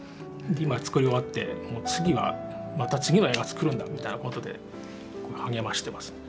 今作り終わって次はまた次の映画を作るんだみたいなことで励ましています。